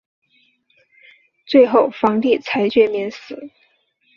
最后皇帝裁决免死。